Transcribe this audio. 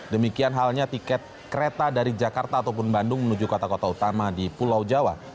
demikian halnya tiket kereta dari jakarta ataupun bandung menuju kota kota utama di pulau jawa